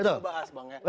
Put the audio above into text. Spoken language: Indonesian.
kita coba bahas bang ya